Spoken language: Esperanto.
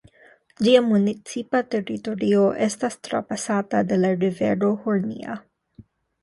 Ĝia municipa teritorio estas trapasata de la rivero Hornija.